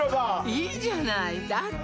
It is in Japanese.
いいじゃないだって